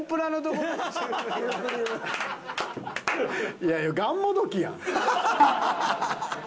いやいやがんもどきやん。